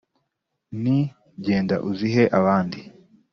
Nti: "Genda uzihe abandi